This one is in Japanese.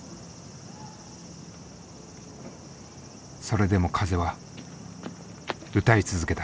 それでも風は歌い続けた。